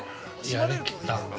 ◆やりきった。